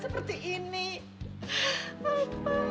kenapa setelah kecelakaan kamu